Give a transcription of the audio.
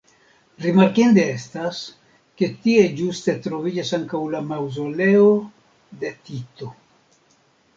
Rimarkinde estas ke tie ĝuste troviĝas ankaŭ la maŭzoleo de Tito.